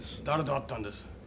誰と会ったんです？